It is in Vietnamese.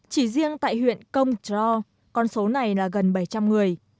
chỉ riêng tại huyện công tró con số này là gần bảy trăm linh người